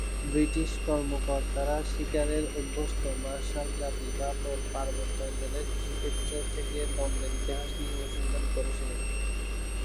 British কর্মকর্তারা শিকারের অভ্যস্ত 'মার্শাল জাতি' বা পার্বত্য অঞ্চলের কৃষিক্ষেত্র থেকে দ্বন্দ্বের ইতিহাস নিয়ে অনুসন্ধান করেছিলেন।